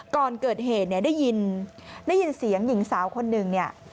ก่อนเกิดเหตุเนี่ยได้ยินเสียงหญิงสาวคนหนึ่งเนี่ย